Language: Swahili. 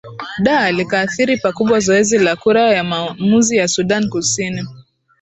da likaathiri pakubwa zoezi la kura ya maamuzi ya sudan kusini